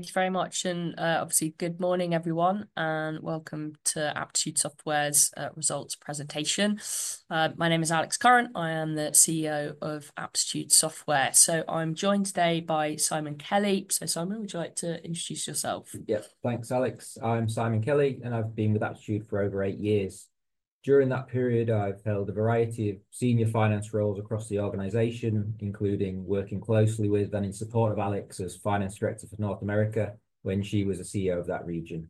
Thank you very much, and obviously, good morning, everyone, and welcome to Aptitude Software's results presentation. My name is Alex Curran. I am the CEO of Aptitude Software. I am joined today by Simon Kelly. Simon, would you like to introduce yourself? Yeah, thanks, Alex. I'm Simon Kelly, and I've been with Aptitude for over eight years. During that period, I've held a variety of senior finance roles across the organization, including working closely with and in support of Alex as Finance Director for North America when she was CEO of that region.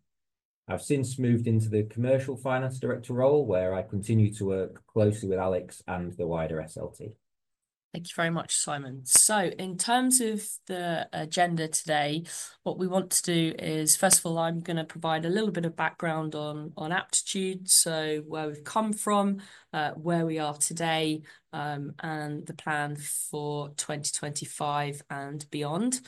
I've since moved into the Commercial Finance Director role, where I continue to work closely with Alex and the wider SLT. Thank you very much, Simon. In terms of the agenda today, what we want to do is, first of all, I'm going to provide a little bit of background on Aptitude, so where we've come from, where we are today, and the plan for 2025 and beyond.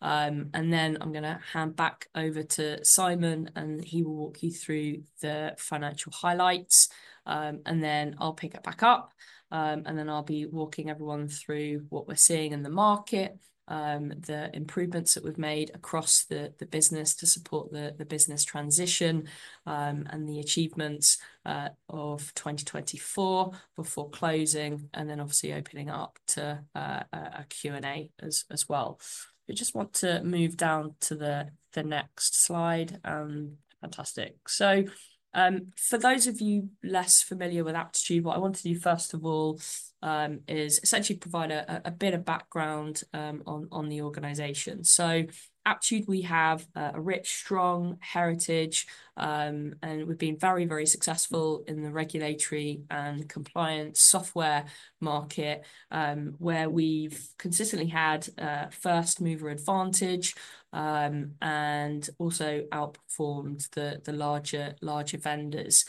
Then I'm going to hand back over to Simon, and he will walk you through the financial highlights, and then I'll pick it back up, and then I'll be walking everyone through what we're seeing in the market, the improvements that we've made across the business to support the business transition, and the achievements of 2024 before closing, and then obviously opening up to a Q&A as well. I just want to move down to the next slide. Fantastic. For those of you less familiar with Aptitude, what I want to do, first of all, is essentially provide a bit of background on the organization. Aptitude, we have a rich, strong heritage, and we've been very, very successful in the regulatory and compliance software market, where we've consistently had first mover advantage and also outperformed the larger vendors.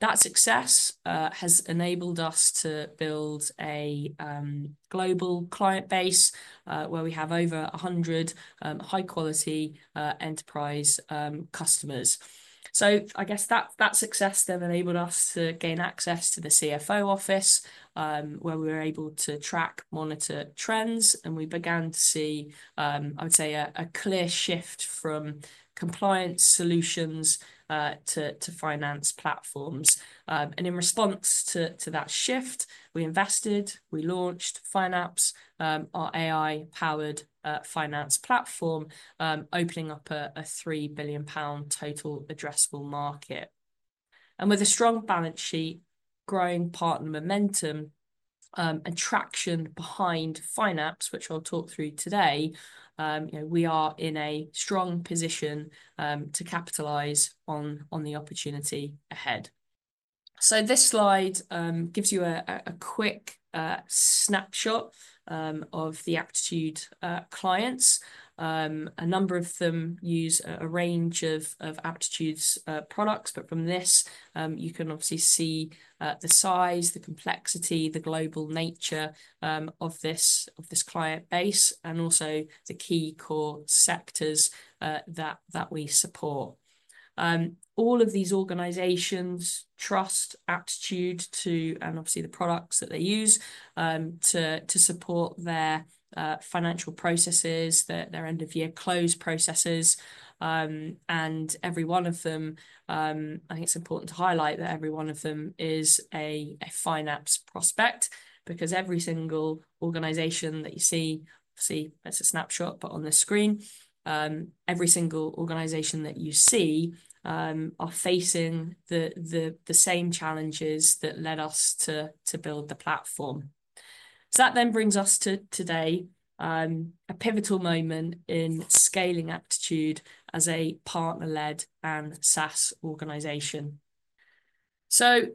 That success has enabled us to build a global client base where we have over 100 high-quality enterprise customers. I guess that success then enabled us to gain access to the CFO office, where we were able to track, monitor trends, and we began to see, I would say, a clear shift from compliance solutions to finance platforms. In response to that shift, we invested, we launched Fynapse, our AI-powered finance platform, opening up a 3 billion pound total addressable market. With a strong balance sheet, growing partner momentum, and traction behind Fynapse, which I'll talk through today, we are in a strong position to capitalize on the opportunity ahead. This slide gives you a quick snapshot of the Aptitude clients. A number of them use a range of Aptitude's products, but from this, you can obviously see the size, the complexity, the global nature of this client base, and also the key core sectors that we support. All of these organizations trust Aptitude to, and obviously the products that they use, to support their financial processes, their end-of-year close processes. Every one of them, I think it's important to highlight that every one of them is a Fynapse prospect, because every single organization that you see, obviously, that's a snapshot, but on the screen, every single organization that you see are facing the same challenges that led us to build the platform. That then brings us to today, a pivotal moment in scaling Aptitude as a partner-led and SaaS organization.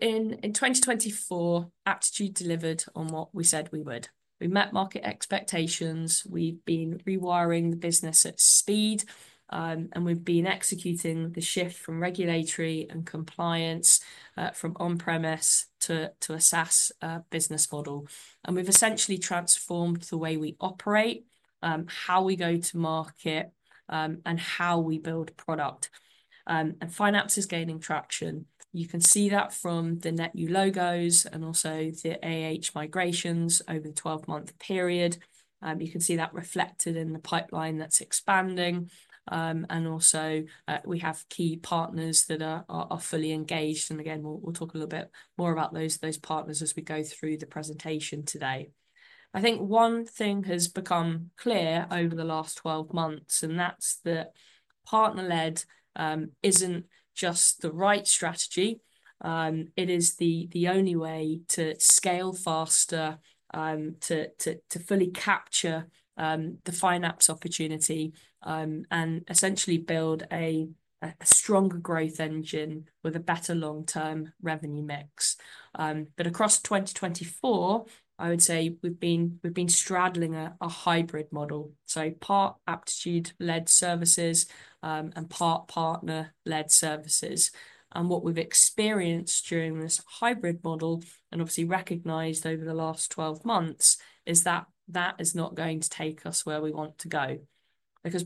In 2024, Aptitude delivered on what we said we would. We met market expectations. We've been rewiring the business at speed, and we've been executing the shift from regulatory and compliance, from on-premise to a SaaS business model. We've essentially transformed the way we operate, how we go to market, and how we build product. Fynapse is gaining traction. You can see that from the net new logos and also the migrations over the 12-month period. You can see that reflected in the pipeline that's expanding. We have key partners that are fully engaged. We will talk a little bit more about those partners as we go through the presentation today. I think one thing has become clear over the last 12 months, and that's that partner-led is not just the right strategy. It is the only way to scale faster, to fully capture the Fynapse opportunity, and essentially build a stronger growth engine with a better long-term revenue mix. Across 2024, I would say we've been straddling a hybrid model. Part Aptitude-led services and part partner-led services. What we've experienced during this hybrid model, and obviously recognized over the last 12 months, is that that is not going to take us where we want to go.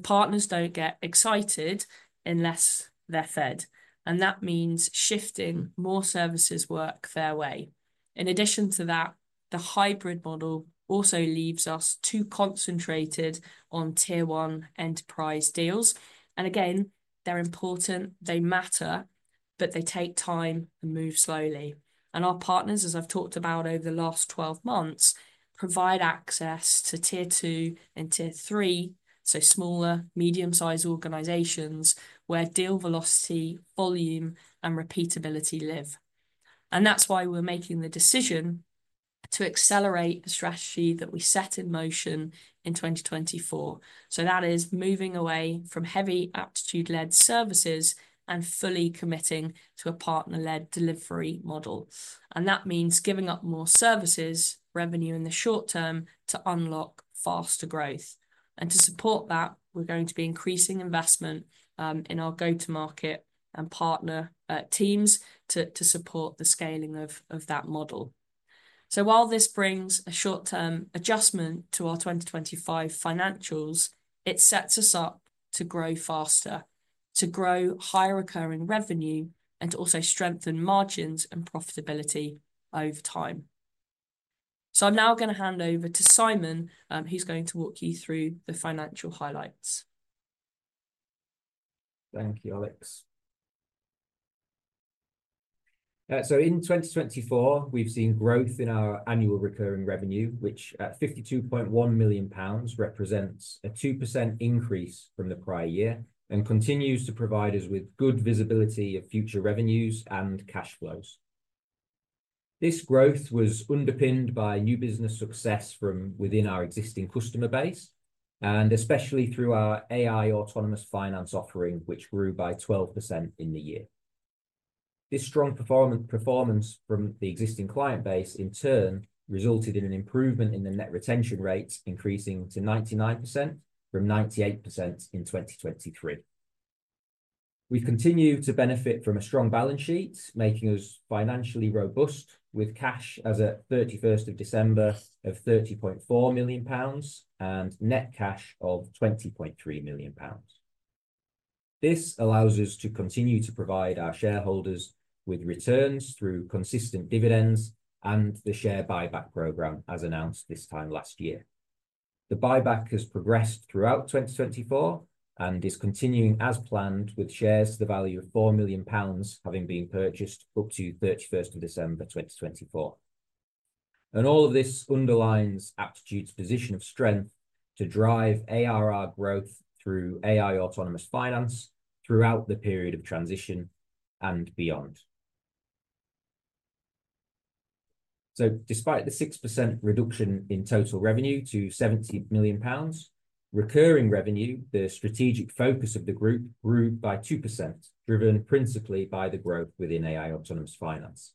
Partners do not get excited unless they're fed. That means shifting more services work their way. In addition to that, the hybrid model also leaves us too concentrated on tier one enterprise deals. Again, they're important, they matter, but they take time and move slowly. Our partners, as I've talked about over the last 12 months, provide access to tier two and tier three, so smaller, medium-sized organizations where deal velocity, volume, and repeatability live. That is why we're making the decision to accelerate the strategy that we set in motion in 2024. That is moving away from heavy Aptitude-led services and fully committing to a partner-led delivery model. That means giving up more services revenue in the short term to unlock faster growth. To support that, we're going to be increasing investment in our go-to-market and partner teams to support the scaling of that model. While this brings a short-term adjustment to our 2025 financials, it sets us up to grow faster, to grow higher recurring revenue, and to also strengthen margins and profitability over time. I'm now going to hand over to Simon, who's going to walk you through the financial highlights. Thank you, Alex. In 2024, we've seen growth in our annual recurring revenue, which at 52.1 million pounds represents a 2% increase from the prior year and continues to provide us with good visibility of future revenues and cash flows. This growth was underpinned by new business success from within our existing customer base, and especially through our AI autonomous finance offering, which grew by 12% in the year. This strong performance from the existing client base, in turn, resulted in an improvement in the net retention rate, increasing to 99% from 98% in 2023. We've continued to benefit from a strong balance sheet, making us financially robust, with cash as of 31st of December of 30.4 million pounds and net cash of 20.3 million pounds. This allows us to continue to provide our shareholders with returns through consistent dividends and the share buyback program, as announced this time last year. The buyback has progressed throughout 2024 and is continuing as planned, with shares to the value of 4 million pounds having been purchased up to 31st of December 2024. All of this underlines Aptitude's position of strength to drive ARR growth through AI autonomous finance throughout the period of transition and beyond. Despite the 6% reduction in total revenue to 70 million pounds, recurring revenue, the strategic focus of the group, grew by 2%, driven principally by the growth within AI autonomous finance.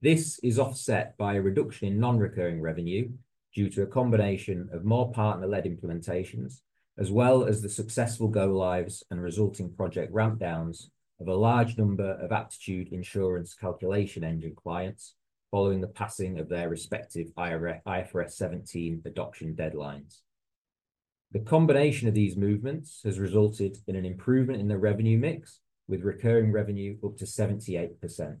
This is offset by a reduction in non-recurring revenue due to a combination of more partner-led implementations, as well as the successful go-lives and resulting project ramp-downs of a large number of Aptitude Insurance Calculation Engine clients following the passing of their respective IFRS 17 adoption deadlines. The combination of these movements has resulted in an improvement in the revenue mix, with recurring revenue up to 78%.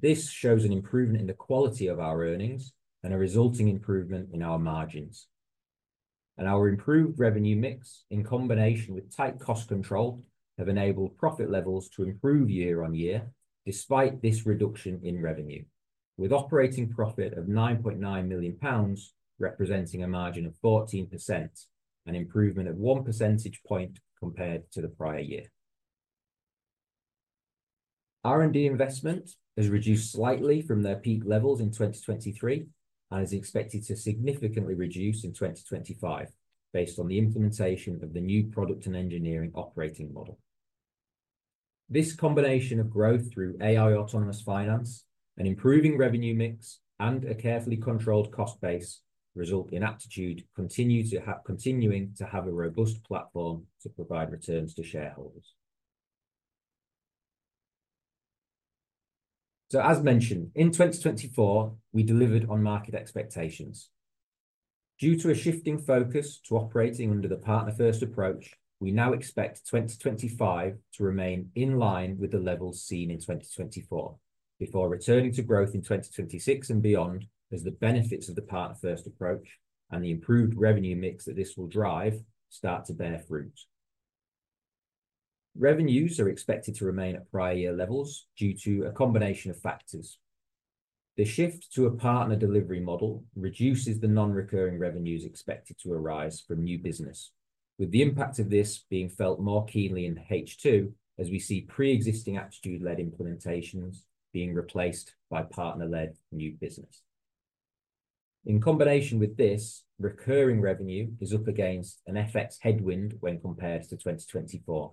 This shows an improvement in the quality of our earnings and a resulting improvement in our margins. Our improved revenue mix, in combination with tight cost control, have enabled profit levels to improve year-on-year, despite this reduction in revenue, with operating profit of 9.9 million pounds representing a margin of 14%, an improvement of one percentage point compared to the prior year. R&D investment has reduced slightly from their peak levels in 2023 and is expected to significantly reduce in 2025, based on the implementation of the new product and engineering operating model. This combination of growth through AI autonomous finance, an improving revenue mix, and a carefully controlled cost base result in Aptitude continuing to have a robust platform to provide returns to shareholders. As mentioned, in 2024, we delivered on market expectations. Due to a shifting focus to operating under the partner-first approach, we now expect 2025 to remain in line with the levels seen in 2024, before returning to growth in 2026 and beyond as the benefits of the partner-first approach and the improved revenue mix that this will drive start to bear fruit. Revenues are expected to remain at prior year levels due to a combination of factors. The shift to a partner delivery model reduces the non-recurring revenues expected to arise from new business, with the impact of this being felt more keenly in H2 as we see pre-existing Aptitude-led implementations being replaced by partner-led new business. In combination with this, recurring revenue is up against an FX headwind when compared to 2024.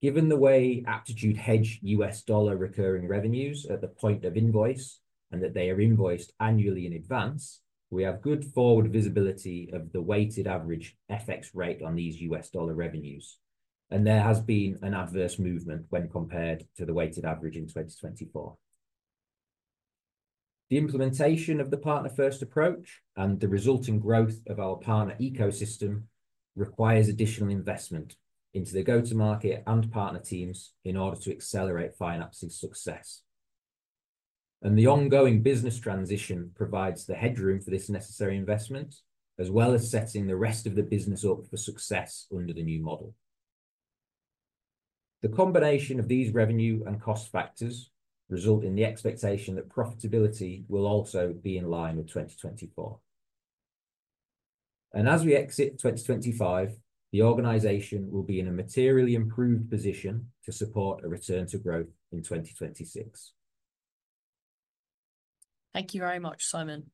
Given the way Aptitude hedge U.S. dollar recurring revenues at the point of invoice and that they are invoiced annually in advance, we have good forward visibility of the weighted average FX rate on these U.S. dollar revenues. There has been an adverse movement when compared to the weighted average in 2024. The implementation of the partner-first approach and the resulting growth of our partner ecosystem requires additional investment into the go-to-market and partner teams in order to accelerate Fynapse's success. The ongoing business transition provides the headroom for this necessary investment, as well as setting the rest of the business up for success under the new model. The combination of these revenue and cost factors result in the expectation that profitability will also be in line with 2024. As we exit 2025, the organization will be in a materially improved position to support a return to growth in 2026. Thank you very much, Simon.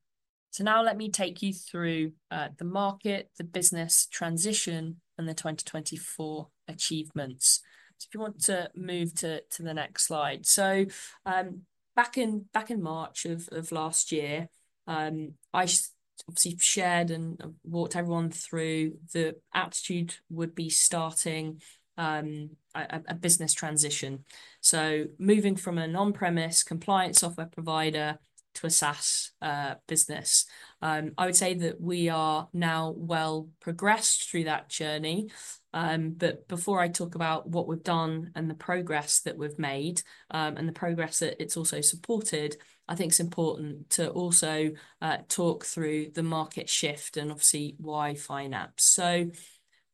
Now let me take you through the market, the business transition, and the 2024 achievements. If you want to move to the next slide. Back in March of last year, I obviously shared and walked everyone through that Aptitude would be starting a business transition, moving from an on-premise compliance software provider to a SaaS business. I would say that we are now well progressed through that journey. Before I talk about what we've done and the progress that we've made and the progress that it's also supported, I think it's important to also talk through the market shift and obviously why Fynapse.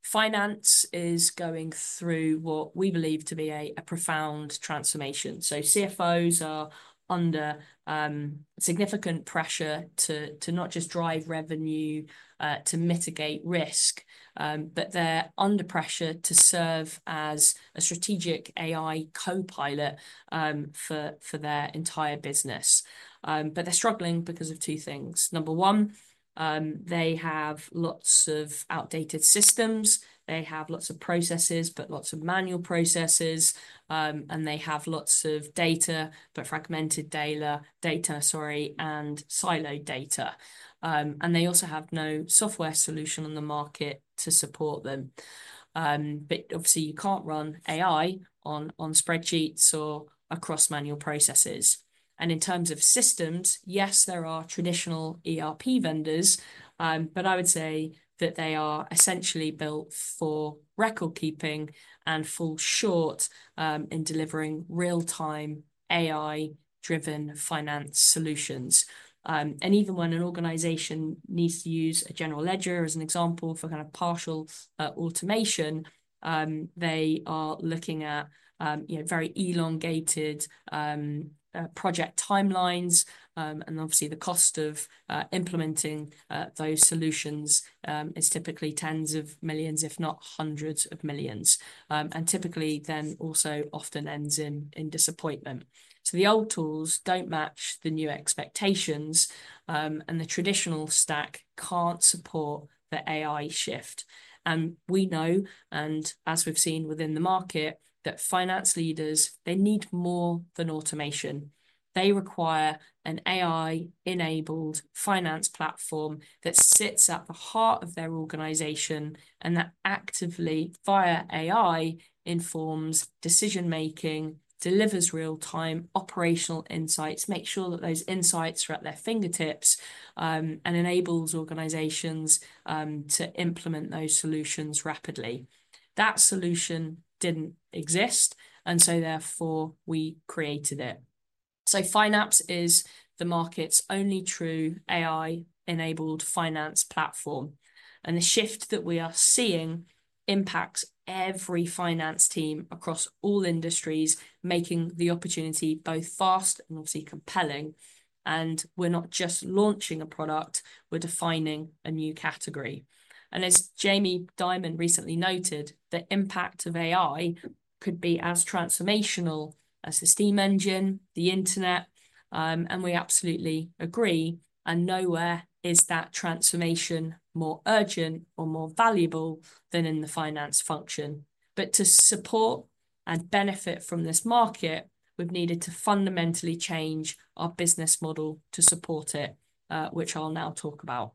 Fynapse is going through what we believe to be a profound transformation. CFOs are under significant pressure to not just drive revenue, to mitigate risk, but they're under pressure to serve as a strategic AI co-pilot for their entire business. They're struggling because of two things. Number one, they have lots of outdated systems. They have lots of processes, but lots of manual processes. They have lots of data, but fragmented data, sorry, and siloed data. They also have no software solution on the market to support them. Obviously, you can't run AI on spreadsheets or across manual processes. In terms of systems, yes, there are traditional ERP vendors, but I would say that they are essentially built for record keeping and fall short in delivering real-time AI-driven finance solutions. Even when an organization needs to use a general ledger, as an example, for kind of partial automation, they are looking at very elongated project timelines. Obviously, the cost of implementing those solutions is typically tens of millions, if not hundreds of millions. Typically then also often ends in disappointment. The old tools do not match the new expectations, and the traditional stack cannot support the AI shift. We know, and as we have seen within the market, that finance leaders need more than automation. They require an AI-enabled finance platform that sits at the heart of their organization and that actively, via AI, informs decision-making, delivers real-time operational insights, makes sure that those insights are at their fingertips, and enables organizations to implement those solutions rapidly. That solution did not exist, and therefore we created it. Fynapse is the market's only true AI-enabled finance platform. The shift that we are seeing impacts every finance team across all industries, making the opportunity both fast and obviously compelling. We are not just launching a product, we are defining a new category. As Jamie Dimon recently noted, the impact of AI could be as transformational as the steam engine, the internet, and we absolutely agree. Nowhere is that transformation more urgent or more valuable than in the finance function. To support and benefit from this market, we have needed to fundamentally change our business model to support it, which I will now talk about.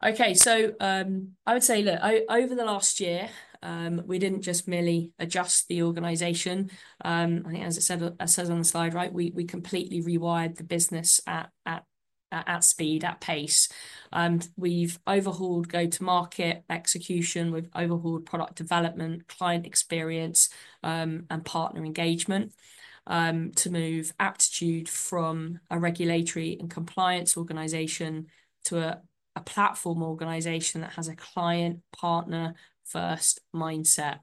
I would say, look, over the last year, we did not just merely adjust the organization. I think, as it says on the slide, right, we completely rewired the business at speed, at pace. We have overhauled go-to-market execution. We've overhauled product development, client experience, and partner engagement to move Aptitude from a regulatory and compliance organization to a platform organization that has a client-partner-first mindset.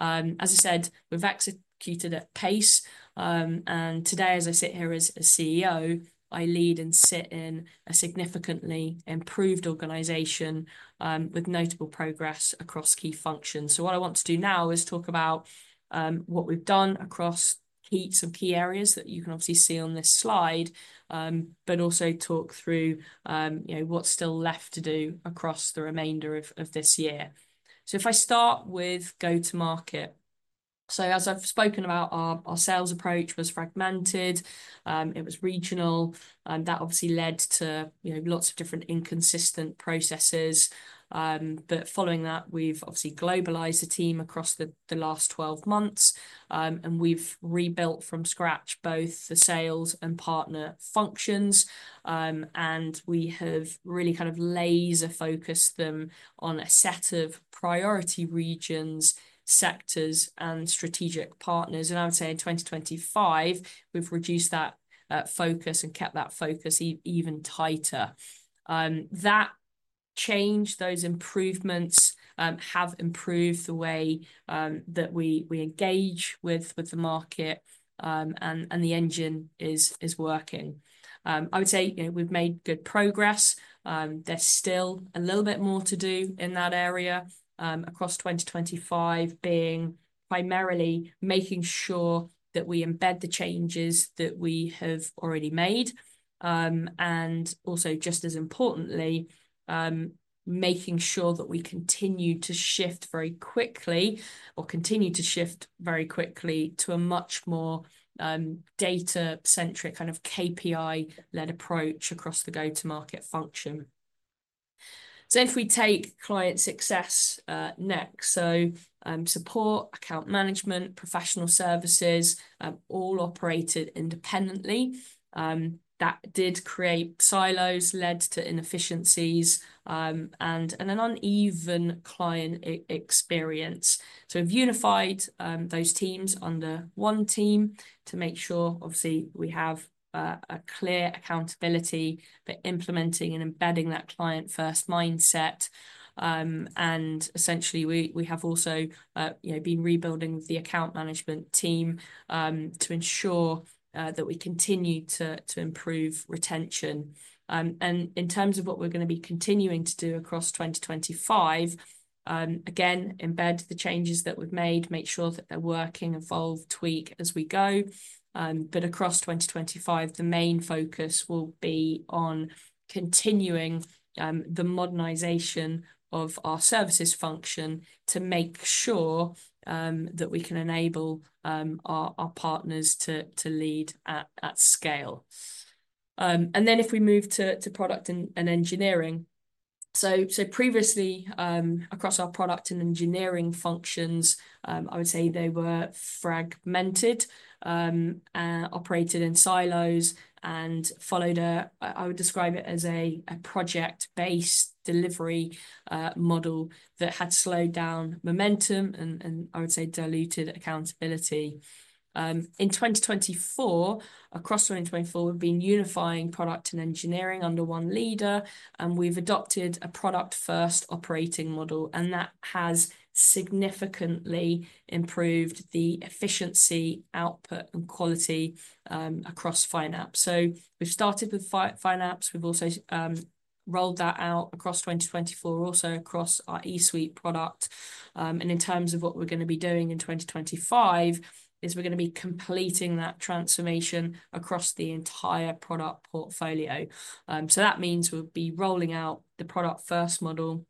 As I said, we've executed at pace. Today, as I sit here as CEO, I lead and sit in a significantly improved organization with notable progress across key functions. What I want to do now is talk about what we've done across some key areas that you can obviously see on this slide, but also talk through what's still left to do across the remainder of this year. If I start with go-to-market, as I've spoken about, our sales approach was fragmented. It was regional. That obviously led to lots of different inconsistent processes. Following that, we've obviously globalized the team across the last 12 months. We've rebuilt from scratch both the sales and partner functions. We have really kind of laser-focused them on a set of priority regions, sectors, and strategic partners. I would say in 2025, we've reduced that focus and kept that focus even tighter. That change, those improvements have improved the way that we engage with the market and the engine is working. I would say we've made good progress. There's still a little bit more to do in that area across 2025, being primarily making sure that we embed the changes that we have already made. Also, just as importantly, making sure that we continue to shift very quickly or continue to shift very quickly to a much more data-centric kind of KPI-led approach across the go-to-market function. If we take client success next, support, account management, professional services, all operated independently, that did create silos, led to inefficiencies, and an uneven client experience. We've unified those teams under one team to make sure, obviously, we have a clear accountability for implementing and embedding that client-first mindset. Essentially, we have also been rebuilding the account management team to ensure that we continue to improve retention. In terms of what we're going to be continuing to do across 2025, again, embed the changes that we've made, make sure that they're working, evolve, tweak as we go. Across 2025, the main focus will be on continuing the modernization of our services function to make sure that we can enable our partners to lead at scale. If we move to product and engineering, previously, across our product and engineering functions, I would say they were fragmented, operated in silos, and followed a, I would describe it as a project-based delivery model that had slowed down momentum and, I would say, diluted accountability. In 2024, across 2024, we've been unifying product and engineering under one leader, and we've adopted a product-first operating model, and that has significantly improved the efficiency, output, and quality across Fynapse. We've started with Fynapse. We've also rolled that out across 2024, also across our eSuite product. In terms of what we're going to be doing in 2025, we're going to be completing that transformation across the entire product portfolio. That means we'll be rolling out the product-first model.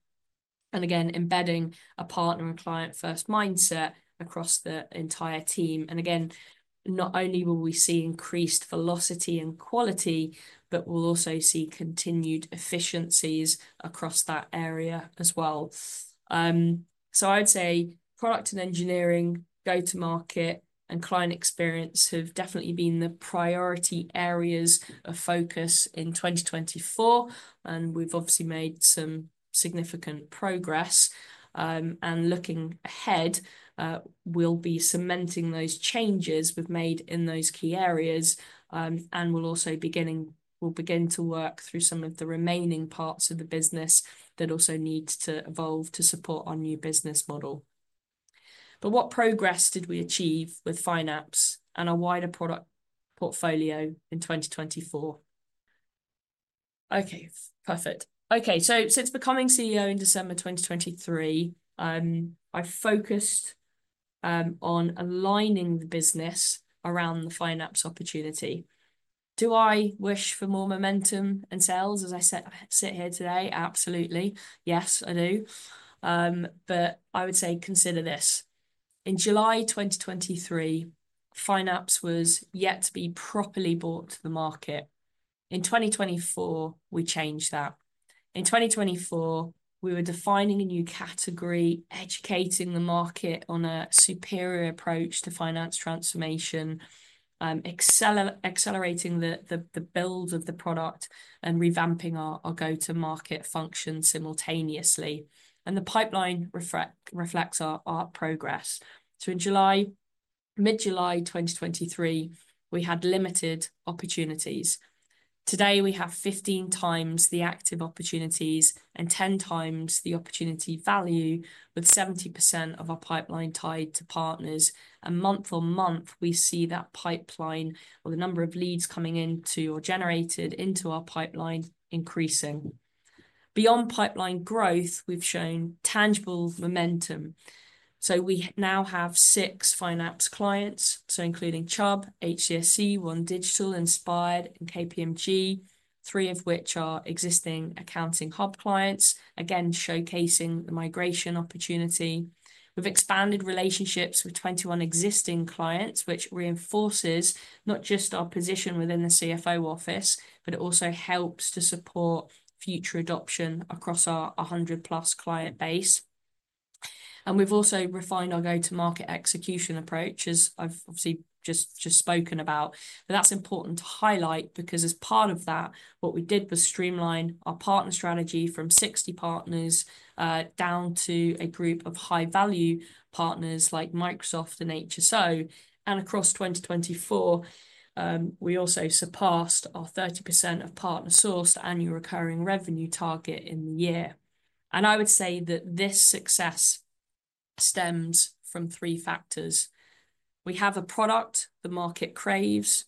Again, embedding a partner and client-first mindset across the entire team. Again, not only will we see increased velocity and quality, but we'll also see continued efficiencies across that area as well. I would say product and engineering, go-to-market, and client experience have definitely been the priority areas of focus in 2024. We've obviously made some significant progress. Looking ahead, we'll be cementing those changes we've made in those key areas. We'll also begin to work through some of the remaining parts of the business that also need to evolve to support our new business model. What progress did we achieve with Fynapse and our wider product portfolio in 2024? Okay, perfect. Since becoming CEO in December 2023, I focused on aligning the business around the Fynapse opportunity. Do I wish for more momentum and sales, as I sit here today? Absolutely. Yes, I do. I would say consider this. In July 2023, Fynapse was yet to be properly brought to the market. In 2024, we changed that. In 2024, we were defining a new category, educating the market on a superior approach to finance transformation, accelerating the build of the product and revamping our go-to-market function simultaneously. The pipeline reflects our progress. In mid-July 2023, we had limited opportunities. Today, we have 15 times the active opportunities and 10 times the opportunity value, with 70% of our pipeline tied to partners. Month on month, we see that pipeline or the number of leads coming into or generated into our pipeline increasing. Beyond pipeline growth, we've shown tangible momentum. We now have six Fynapse clients, including Chubb, HCSC, OneDigital, Inspired, and KPMG, three of which are existing Accounting Hub clients, again, showcasing the migration opportunity. We've expanded relationships with 21 existing clients, which reinforces not just our position within the CFO office, but it also helps to support future adoption across our 100-plus client base. We've also refined our go-to-market execution approach, as I've obviously just spoken about. That's important to highlight because as part of that, what we did was streamline our partner strategy from 60 partners down to a group of high-value partners like Microsoft and HSO. Across 2024, we also surpassed our 30% of partner-sourced annual recurring revenue target in the year. I would say that this success stems from three factors. We have a product the market craves.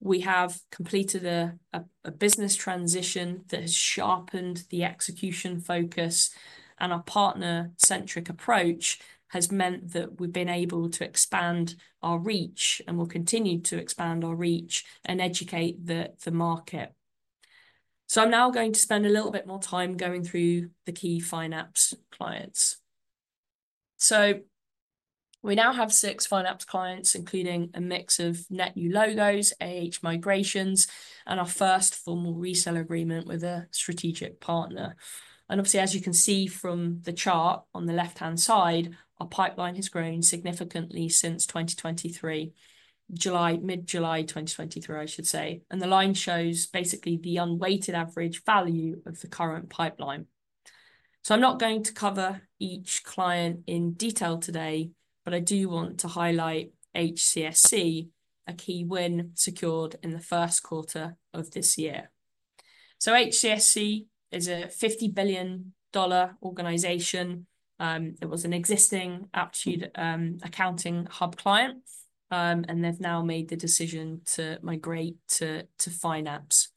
We have completed a business transition that has sharpened the execution focus. Our partner-centric approach has meant that we've been able to expand our reach and will continue to expand our reach and educate the market. I'm now going to spend a little bit more time going through the key Fynapse clients. We now have six Fynapse clients, including a mix of net new logos, migrations, and our first formal resale agreement with a strategic partner. Obviously, as you can see from the chart on the left-hand side, our pipeline has grown significantly since 2023, mid-July 2023, I should say. The line shows basically the unweighted average value of the current pipeline. I'm not going to cover each client in detail today, but I do want to highlight HCSC, a key win secured in the first quarter of this year. HCSC is a $50 billion organization. It was an existing Aptitude Accounting Hub client, and they've now made the decision to migrate to Fynapse.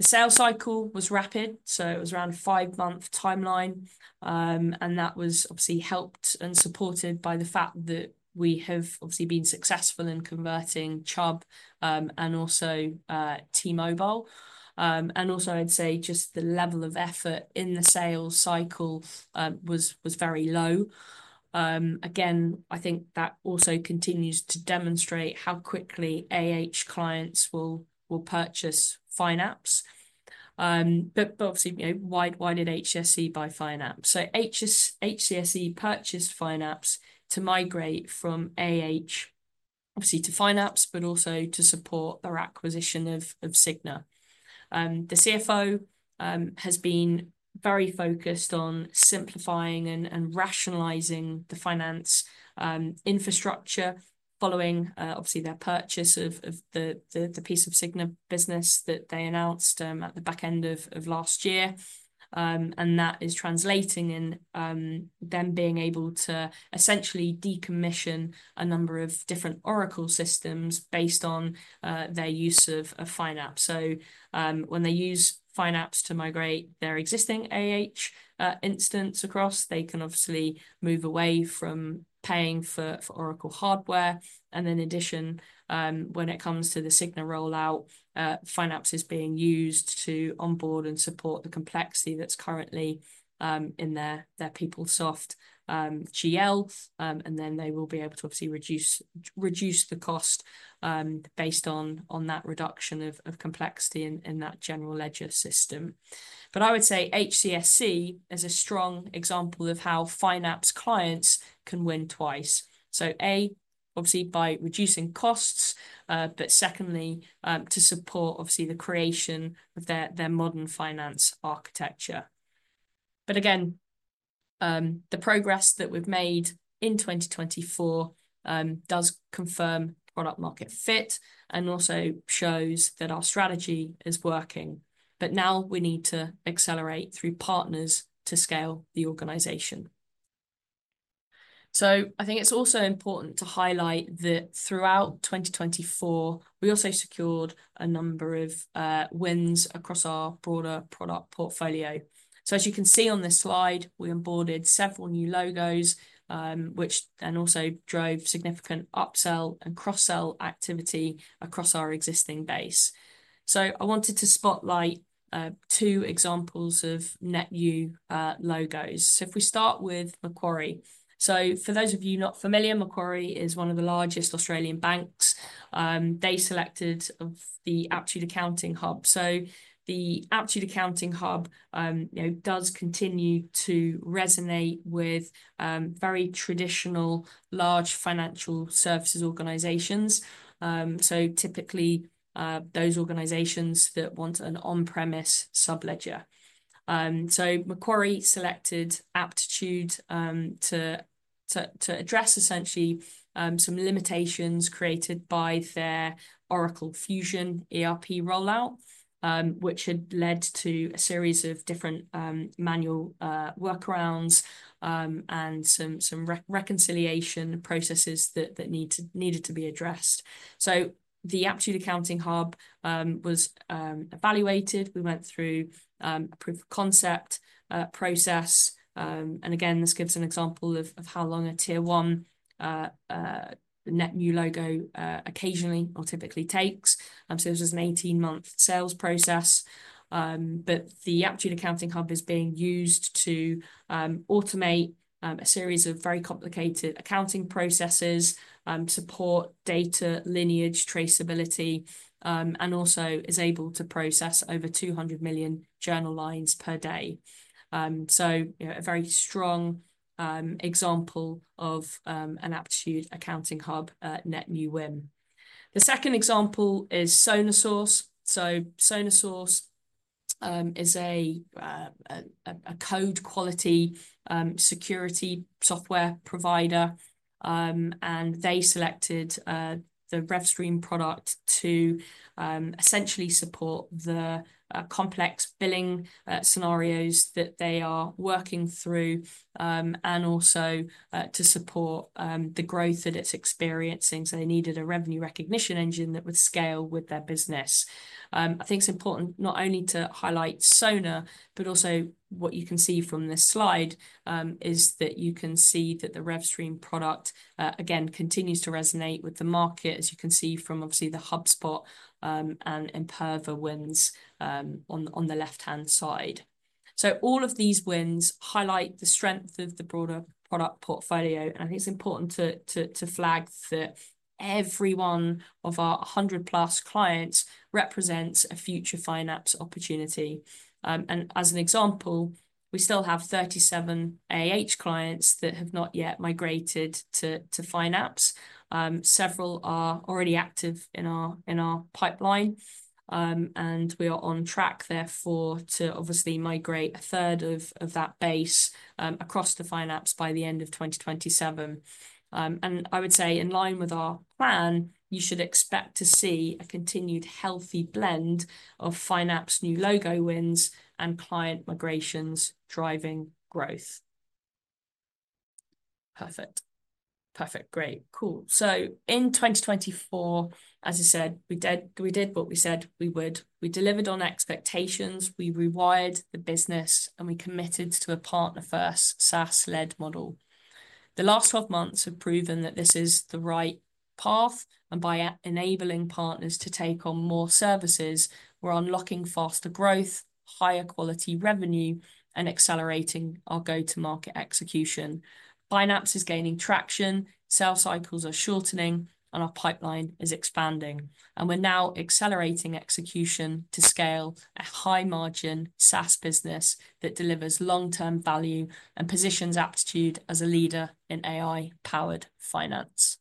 The sales cycle was rapid, so it was around a five-month timeline. That was obviously helped and supported by the fact that we have obviously been successful in converting Chubb and also T-Mobile. I'd say just the level of effort in the sales cycle was very low. Again, I think that also continues to demonstrate how quickly clients will purchase Fynapse. Obviously, widened HCSC by Fynapse. HCSC purchased Fynapse to migrate from, obviously, to Fynapse, but also to support their acquisition of Cigna. The CFO has been very focused on simplifying and rationalizing the finance infrastructure following, obviously, their purchase of the piece of Cigna business that they announced at the back end of last year. That is translating in them being able to essentially decommission a number of different Oracle systems based on their use of Fynapse. When they use Fynapse to migrate their existing instance across, they can obviously move away from paying for Oracle hardware. In addition, when it comes to the Cigna rollout, Fynapse is being used to onboard and support the complexity that's currently in their PeopleSoft GL. They will be able to obviously reduce the cost based on that reduction of complexity in that general ledger system. I would say HCSC is a strong example of how Fynapse clients can win twice. A, obviously, by reducing costs, but secondly, to support obviously the creation of their modern finance architecture. Again, the progress that we've made in 2024 does confirm product-market fit and also shows that our strategy is working. Now we need to accelerate through partners to scale the organization. I think it's also important to highlight that throughout 2024, we also secured a number of wins across our broader product portfolio. As you can see on this slide, we onboarded several new logos, which then also drove significant upsell and cross-sell activity across our existing base. I wanted to spotlight two examples of net new logos. If we start with Macquarie. For those of you not familiar, Macquarie is one of the largest Australian banks. They selected the Aptitude Accounting Hub. The Aptitude Accounting Hub does continue to resonate with very traditional large financial services organizations. Typically, those organizations want an on-premise subledger. Macquarie selected Aptitude to address essentially some limitations created by their Oracle Fusion ERP rollout, which had led to a series of different manual workarounds and some reconciliation processes that needed to be addressed. The Aptitude Accounting Hub was evaluated. We went through a proof of concept process. This gives an example of how long a tier one net new logo occasionally or typically takes. This was an 18-month sales process. The Aptitude Accounting Hub is being used to automate a series of very complicated accounting processes, support data lineage traceability, and also is able to process over 200 million journal lines per day. A very strong example of an Aptitude Accounting Hub net new win. The second example is Sonatype. Sonatype is a code quality security software provider. They selected the RevStream product to essentially support the complex billing scenarios that they are working through and also to support the growth that it's experiencing. They needed a revenue recognition engine that would scale with their business. I think it's important not only to highlight Sona, but also what you can see from this slide is that you can see that the RevStream product, again, continues to resonate with the market, as you can see from obviously the HubSpot and Imperva wins on the left-hand side. All of these wins highlight the strength of the broader product portfolio. I think it's important to flag that every one of our 100-plus clients represents a future Fynapse opportunity. As an example, we still have 37 clients that have not yet migrated to Fynapse. Several are already active in our pipeline. We are on track therefore to obviously migrate a third of that base across to Fynapse by the end of 2027. I would say in line with our plan, you should expect to see a continued healthy blend of Fynapse new logo wins and client migrations driving growth. Perfect. Perfect. Great. Cool. In 2024, as I said, we did what we said we would. We delivered on expectations. We rewired the business, and we committed to a partner-first SaaS-led model. The last 12 months have proven that this is the right path. By enabling partners to take on more services, we're unlocking faster growth, higher quality revenue, and accelerating our go-to-market execution. Fynapse is gaining traction, sales cycles are shortening, and our pipeline is expanding. We're now accelerating execution to scale a high-margin SaaS business that delivers long-term value and positions Aptitude as a leader in AI-powered finance.